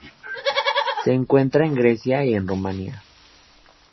Se encuentra en Grecia y Rumania.